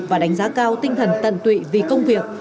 và đánh giá cao tinh thần tận tụy vì công việc